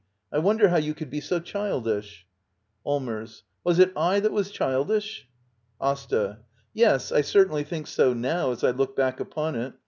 ] I wonder how you could be so childish ! Allmers. Was it / that was childish? Asta. Yes, I certainly think so now, as I look back upon it.